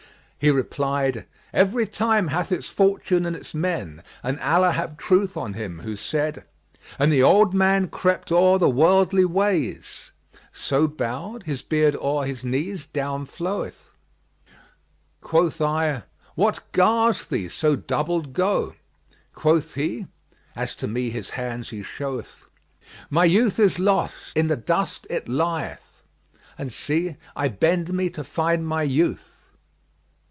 He replied, "Every time hath its fortune and its men,[FN#41] and Allah have truth on him who said, 'And the old man crept o'er the worldly ways * So bowed, his beard o'er his knees down flow'th: Quoth I, 'What gars thee so doubled go?' * Quoth he (as to me his hands he show'th) 'My youth is lost, in the dust it lieth; * And see, I bend me to find my youth.'"